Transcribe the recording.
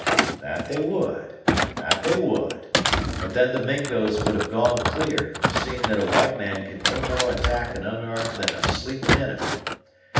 "That they would, that they would; but then the Mingos would have gone clear, seeing that a white man can no more attack an unarmed than a sleeping inimy.